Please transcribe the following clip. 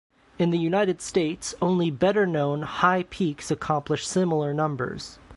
In the United States, only better-known, high peaks accomplish similar numbers.